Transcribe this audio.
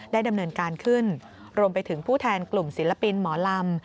ดำเนินการขึ้นรวมไปถึงผู้แทนกลุ่มศิลปินหมอลำ